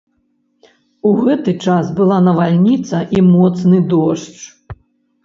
У гэты час была навальніца і моцны дождж.